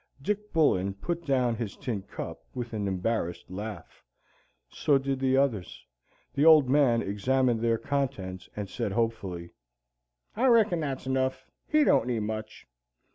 Dick Bullen put down his tin cup with an embarrassed laugh. So did the others. The Old Man examined their contents and said hopefully, "I reckon that's enough; he don't need much.